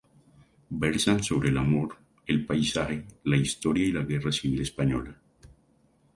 Versan sobre el amor, el paisaje, la historia y la Guerra civil española.